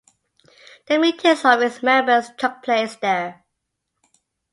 The meetings of its members took place there.